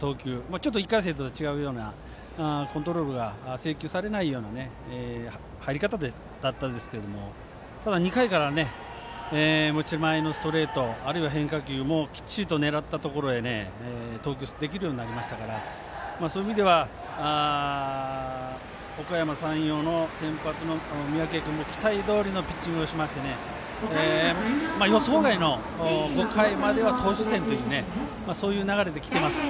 ちょっと１回戦とは違うようなコントロールが制球されないような入り方だったんですけどただ２回から持ち前のストレートあるいは変化球、きっちりと狙ったところへ投球できるようになりましたからそういう意味ではおかやま山陽の先発の三宅君も期待どおりのピッチングしまして予想外の５回までは投手戦というそういう流れできています。